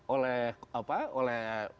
oleh apa oleh